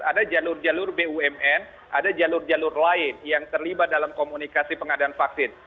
ada jalur jalur bumn ada jalur jalur lain yang terlibat dalam komunikasi pengadaan vaksin